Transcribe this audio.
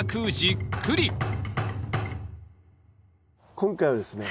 今回はですね